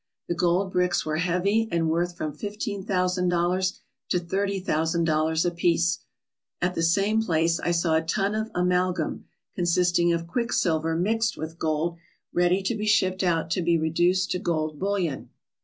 The gold bricks were heavy and worth from fifteen thousand dollars to thirty thousand dollars apiece. At the same place I saw a ton of amalgam, consisting of quicksilver mixed with gold, ready to be shipped out to be reduced to gold bullion.